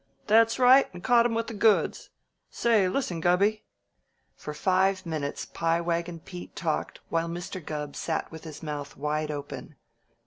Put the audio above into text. "That's right! And caught him with the goods. Say, listen, Gubby!" For five minutes Pie Wagon Pete talked, while Mr. Gubb sat with his mouth wide open.